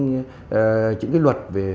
những cái luật về